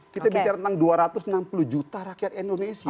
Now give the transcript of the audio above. kita bicara tentang dua ratus enam puluh juta rakyat indonesia